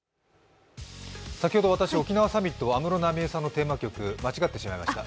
先ほど沖縄サミットの安室奈美恵さんのテーマ曲間違ってしまいました。